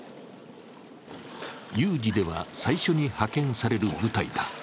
有事では最初に派遣される部隊だ。